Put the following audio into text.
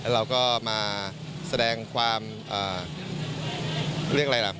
เราก็มาแสดงความเรียกอะไรล่ะ